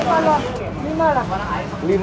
sehari aku lima kali